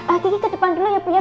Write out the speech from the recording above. ah kiki ke depan dulu ya bu ya